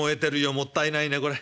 もったいないねこれ。